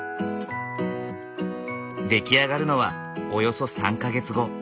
出来上がるのはおよそ３か月後。